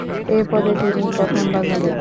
এ পদে তিনিই প্রথম বাঙালি।